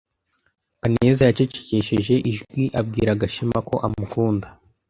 Kaneza yacecekesheje ijwi abwira Gashema ko amukunda.